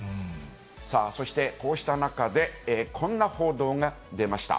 さあ、そしてこうした中で、こんな報道が出ました。